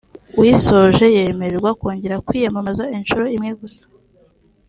uyisoje yemererwa kongera kwiyamamaza inshuro imwe gusa